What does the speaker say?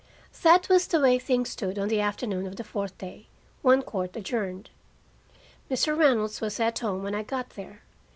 That was the way things stood on the afternoon of the fourth day, when court adjourned. Mr. Reynolds was at home when I got there.